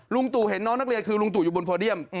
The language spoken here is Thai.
ตู่เห็นน้องนักเรียนคือลุงตู่อยู่บนโพเดียม